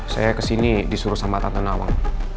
saya kesini disuruh sama tante nawa